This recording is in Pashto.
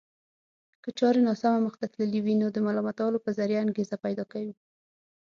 که چارې ناسمې مخته تللې وي نو د ملامتولو په ذريعه انګېزه پيدا کوي.